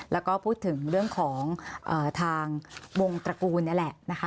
แล้วก็พูดถึงเรื่องของทางวงตระกูลนี่แหละนะคะ